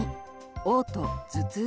おう吐・頭痛。